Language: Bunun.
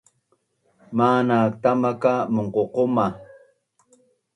Manak tama ka munququma